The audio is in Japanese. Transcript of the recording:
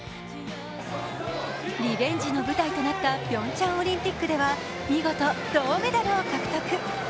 リベンジの舞台となったピョンチャンオリンピックでは見事、銅メダルを獲得。